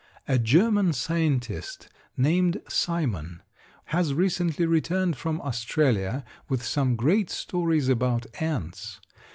A German scientist named Simon, has recently returned from Australia with some great stories about ants.